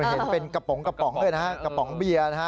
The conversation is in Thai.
เห็นเป็นกระป๋องเบียร์นะฮะ